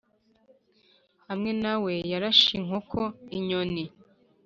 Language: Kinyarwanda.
(hamwe na we yarashe inkoko- inyoni),